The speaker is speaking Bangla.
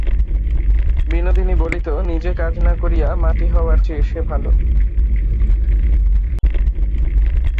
বিনোদিনী বলিত, নিজে কাজ না করিয়া মাটি হওয়ার চেয়ে সে ভালো।